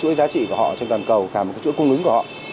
đối với giá trị của họ trên toàn cầu cả một cái chuỗi cung ứng của họ